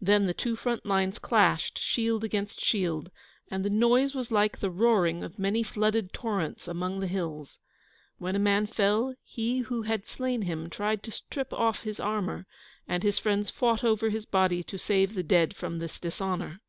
Then the two front lines clashed, shield against shield, and the noise was like the roaring of many flooded torrents among the hills. When a man fell he who had slain him tried to strip off his armour, and his friends fought over his body to save the dead from this dishonour.